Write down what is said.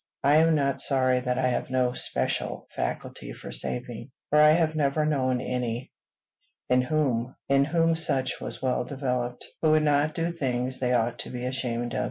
I am not sorry that I have no special faculty for saving; for I have never known any, in whom such was well developed, who would not do things they ought to be ashamed of.